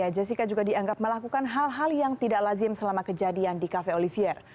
jessica juga dianggap melakukan hal hal yang tidak lazim selama kejadian di cafe olivier